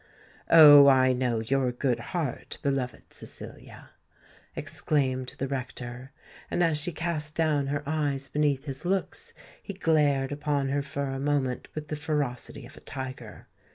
"Oh! I know your good heart, beloved Cecilia," exclaimed the rector; and as she cast down her eyes beneath his looks, he glared upon her for a moment with the ferocity of a tiger.